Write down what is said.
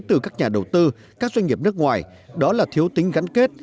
từ các nhà đầu tư các doanh nghiệp nước ngoài đó là thiếu tính gắn kết